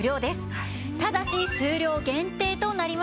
ただし数量限定となります。